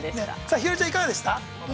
ひよりちゃんいかがでしたか。